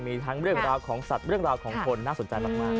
มีทั้งเรื่องราวของสัตว์เรื่องราวของคนน่าสนใจมาก